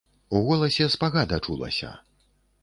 У голасе спагада чулася.